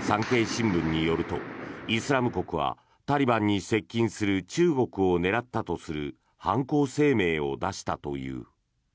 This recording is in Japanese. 産経新聞によるとイスラム国はタリバンに接近する中国を狙ったとする犯行声明を出したという。